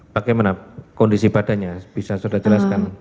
bagaimana kondisi badannya bisa saudara jelaskan